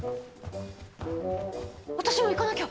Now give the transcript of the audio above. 私も行かなきゃ！